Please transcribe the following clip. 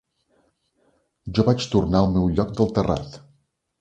Jo vaig tornar al meu lloc del terrat